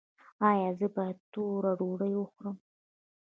ایا زه باید توره ډوډۍ وخورم؟